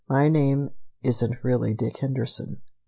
My name isn't really Dick Henderson.